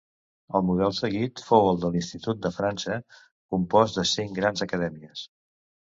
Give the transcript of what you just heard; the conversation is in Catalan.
El model seguit fou el de l'Institut de França, compost de cinc grans acadèmies.